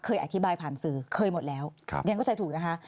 อธิบายผ่านสื่อเคยหมดแล้วเรียนเข้าใจถูกนะคะ